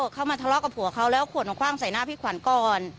เข้ามาทะเลาะกับผัวเขาแล้วขวดมาคว่างใส่หน้าพี่ขวัญก่อน